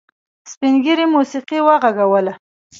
سپین ږيري موسيقي وغږوله.